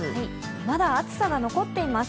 まだ暑さが残っています。